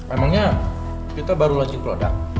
emangnya kita baru lanjut keluarga